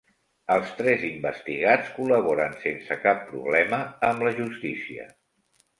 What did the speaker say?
Els tres investigats col·laboren sense cap problema amb la justícia